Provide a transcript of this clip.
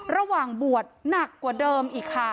ระหว่างบวชหนักกว่าเดิมอีกค่ะ